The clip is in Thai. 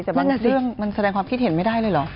แต่บางเรื่องมันแสดงความคิดเห็นไม่ได้เลยเหรอ